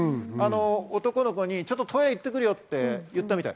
男の子にちょっとトイレに行ってくるよって言ったみたい。